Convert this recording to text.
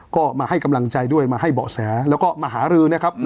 ก็มาให้กำลังใจด้วยมาให้เบาะแสแล้วก็มาหารือนะครับ